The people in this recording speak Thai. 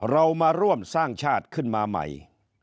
เรามาร่วมสร้างชาติขึ้นมาใหม่